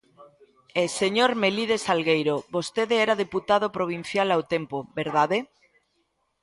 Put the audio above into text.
E, señor Melide Salgueiro, vostede era deputado provincial ao tempo, ¿verdade?